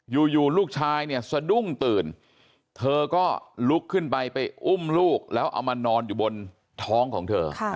อยู่ลูกชายเนี่ยสะดุ้งตื่นเธอก็ลุกขึ้นไปไปอุ้มลูกแล้วเอามานอนอยู่บนท้องของเธอ